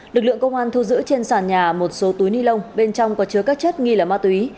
lực lượng công an thu giữ trên sàn nhà một số túi ni lông bên trong có chứa các chất nghi là ma túy